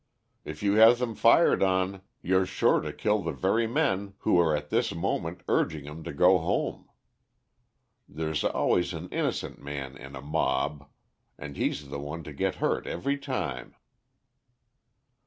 If you have 'em fired on, you're sure to kill the very men who are at this moment urging 'em to go home. There's always an innocent man in a mob, and he's the one to get hurt every time."